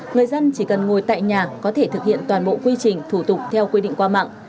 người dân chỉ cần ngồi tại nhà có thể thực hiện toàn bộ quy trình thủ tục theo quy định qua mạng